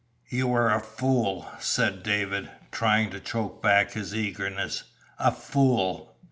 "You were a fool," said David, trying to choke back his eagerness. "A fool!"